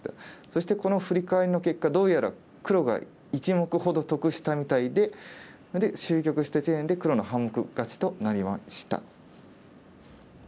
そしてこのフリカワリの結果どうやら黒が１目ほど得したみたいでそれで終局した時点で黒の半目勝ちとなりました。